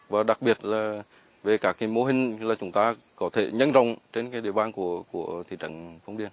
và đặc biệt là về các mô hình chúng ta có thể nhấn rộng trên địa bàn của thị trấn phong điên